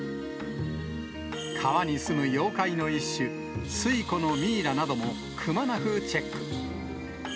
川に住む妖怪の一種、水虎のミイラなどもくまなくチェック。